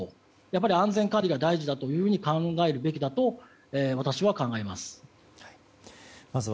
やっぱり安全管理が第一だと考えるべきだと私は考えます。